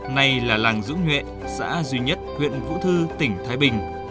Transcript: nay là làng dưỡng nhuệ xã duy nhất huyện vũ thư tỉnh thái bình